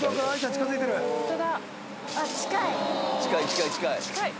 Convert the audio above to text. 近い近い近い！